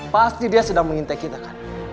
pasti dia sedang mengintai kita kan